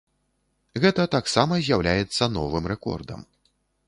Гэта таксама з'яўляецца новым рэкордам.